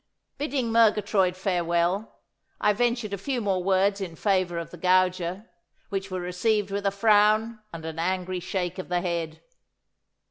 Bidding Murgatroyd farewell, I ventured a few more words in favour of the gauger, which were received with a frown and an angry shake of the head.